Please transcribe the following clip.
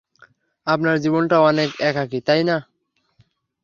আপনার জীবনটা অনেক একাকী, তাই না?